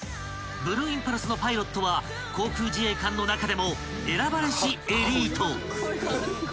ブルーインパルスのパイロットは航空自衛官の中でも選ばれし］